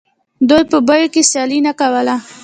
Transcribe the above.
دوی په بیو کې سیالي نه کوله